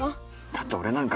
だって俺なんか。